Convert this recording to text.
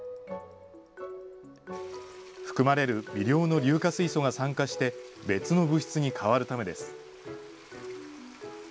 含まれる微量の硫化水素が酸化して、別の物質に変わるためです。